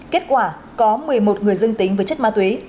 kết quả có một mươi một người dương tính với chất ma túy